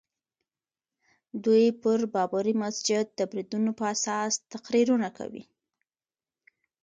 دوی پر بابري مسجد د بریدونو په اساس تقریرونه کوي.